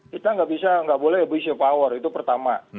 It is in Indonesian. kita nggak boleh abuse of power itu pertama